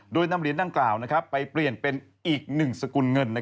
โดยนำเหรียญดังกล่าวไปเปลี่ยนเป็นอีกหนึ่งสกุลเงิน